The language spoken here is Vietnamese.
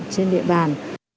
trên địa bàn